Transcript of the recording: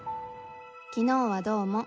「昨日はどうも。